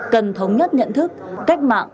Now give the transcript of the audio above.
cần thống nhất nhận thức cách mạng